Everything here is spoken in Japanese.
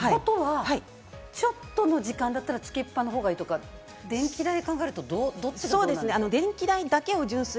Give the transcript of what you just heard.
ってことは、ちょっとの時間だったら、つけっぱのほうがいいとか、電気代考えるとどっちですか？